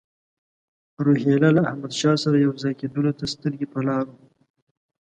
روهیله له احمدشاه سره یو ځای کېدلو ته سترګې په لار وو.